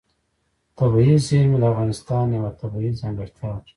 طبیعي زیرمې د افغانستان یوه طبیعي ځانګړتیا ده.